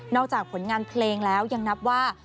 จากผลงานเพลงแล้วยังนับว่า